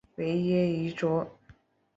维耶于佐。